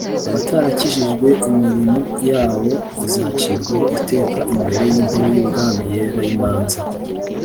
Abatarakijijwe imirimoyabo izacirwaho iteka imbere y'intebe y'ubwami Yera y'imanza